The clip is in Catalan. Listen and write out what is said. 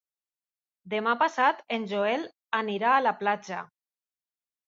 Demà passat en Joel irà a la platja.